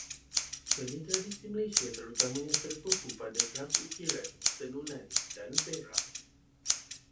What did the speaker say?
Seni tradisi Malaysia terutamanya tertumpu pada kraf ukiran, tenunan, dan perak.